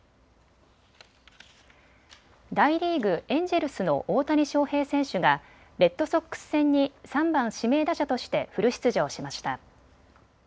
大リーグ、エンジェルスの大谷翔平選手がレッドソックス戦に３番・指名打者としてフル出場しました。